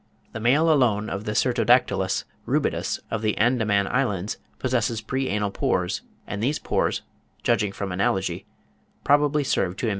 The male alone of the Cyrtodactylus rubidus of the Andaman Islands possesses pre anal pores; and these pores, judging from analogy, probably serve to emit an odour.